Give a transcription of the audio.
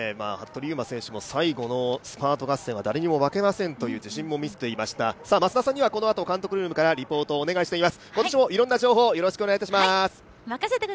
服部勇馬選手も最後のスパート合戦は誰にも負けませんと自信も見せていました、増田さんにはこのあと監督ルームからリポートをお願いしています。